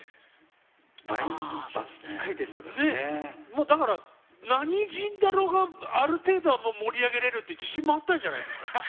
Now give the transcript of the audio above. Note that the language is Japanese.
もうだから何人だろうがある程度はもう盛り上げれるって自信もあったんじゃないですか？